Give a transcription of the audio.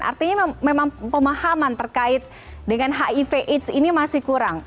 artinya memang pemahaman terkait dengan hiv aids ini masih kurang